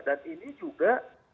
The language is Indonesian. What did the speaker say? dan ini juga